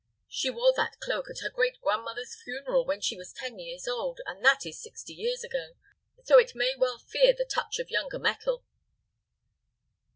She wore that cloak at her great grandmother's funeral when she was ten years old, and that is sixty years ago; so it may well fear the touch of younger metal."